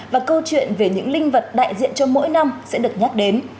và câu chuyện về những linh vật đại diện cho mỗi năm sẽ được nhắc đến